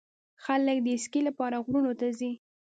خلک د اسکی لپاره غرونو ته ځي.